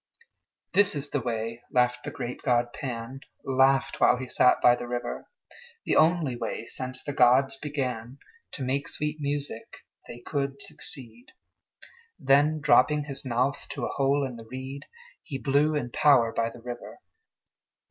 "This is the way," laughed the great god Pan (Laughed while he sat by the river), "The only way, since gods began To make sweet music, they could succeed." Then, dropping his mouth to a hole in the reed, He blew in power by the river.